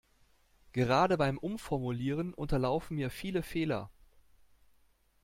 Gerade beim Umformulieren unterlaufen mir viele Fehler.